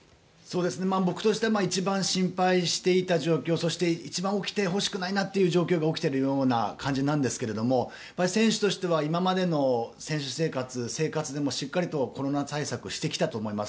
僕としては一番心配していた状況そして一番起きてほしくないと思っていた状況が起きているんですが選手としては今までの選手生活でもしっかりとコロナ対策をしてきたと思います。